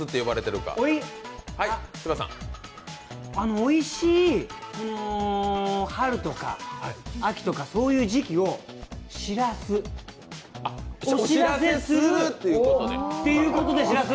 おいしい春とか秋とかそういう時期を知らす、お知らせするっていうことで、しらす。